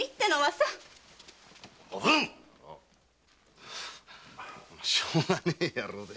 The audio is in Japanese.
おぶん‼しょうがねえ野郎で。